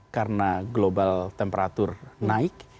karena global temperature naik